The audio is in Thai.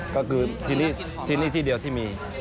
ก็คือที่นี่ที่เดียวที่มี